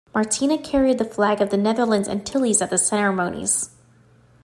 Martina carried the flag of the Netherlands Antilles at the ceremonies.